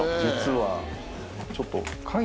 実はちょっと。